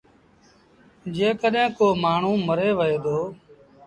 جيڪڏهين ڪو مآڻهوٚٚݩ مري وهي دو